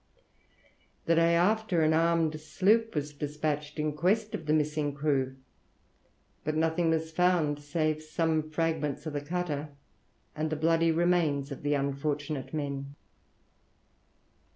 The day after, an armed sloop was despatched in quest of the missing crew; but nothing was found save some fragments of the cutter and the bloody remains of the unfortunate men.